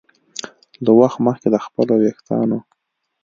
له وخت مخکې د خپلو ویښتانو